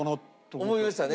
思いましたね。